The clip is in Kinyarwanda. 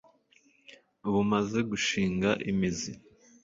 bumaze gushinga imizi